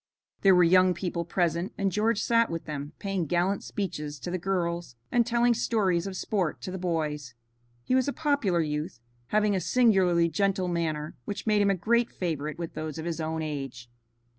There were young people present, and George sat with them, paying gallant speeches to the girls and telling stories of sport to the boys. He was a popular youth, having a singularly gentle manner which made him a great favorite with those of his own age.